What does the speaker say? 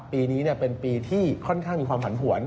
ปีนี้เป็นปีที่ค่อนข้างมีความผันผวน